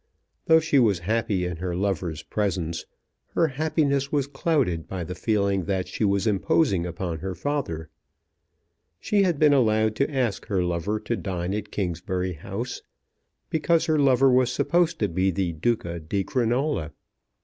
Though she was happy in her lover's presence, her happiness was clouded by the feeling that she was imposing upon her father. She had been allowed to ask her lover to dine at Kingsbury House because her lover was supposed to be the Duca di Crinola.